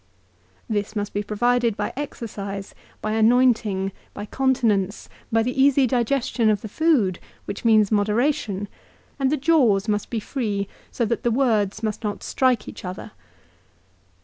This must be provided by exercise, by anointing, by continence, by the easy digestion of the food which means moderation; and the jaws must be free, so that the words must not strike each other.